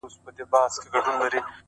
درد چي سړی سو له پرهار سره خبرې کوي ـ